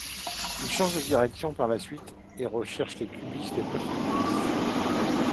Il change de direction par la suite et recherche les cubistes et post-cubistes.